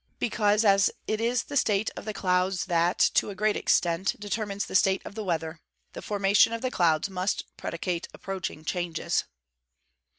_ Because, as it is the state of the clouds that, to a great extent, determines the state of the weather, the formation of the clouds must predicate approaching changes.